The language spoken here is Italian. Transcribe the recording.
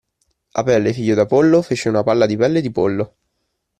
Apelle, figlio di Apollo fece una palla di pelle di pollo.